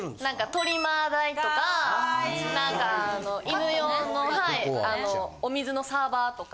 トリマー代とかなんかあの犬用のお水のサーバーとか。